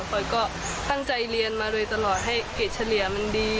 ปอยก็ตั้งใจเรียนมาโดยตลอดให้เกรดเฉลี่ยมันดี